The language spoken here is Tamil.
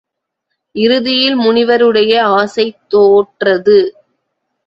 இறுதியில் முனிவருடைய ஆசை தோற்றது!